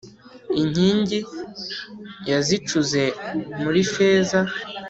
Inkingi yazicuze muri feza,